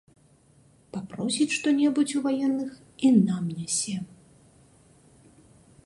Папросіць што-небудзь у ваенных і нам нясе.